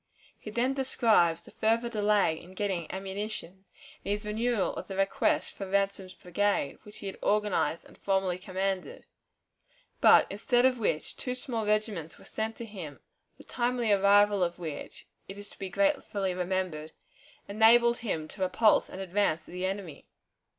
He then describes the further delay in getting ammunition, and his renewal of the request for Ransom's brigade, which he had organized and formerly commanded, but, instead of which, two small regiments were sent to him, the timely arrival of which, it is to be gratefully remembered, enabled him to repulse an advance of the enemy.